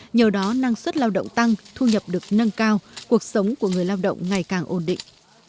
nhờ đó năng suất lao động tăng thu nhập được nâng cao cuộc sống của người lao động ngày càng ổn định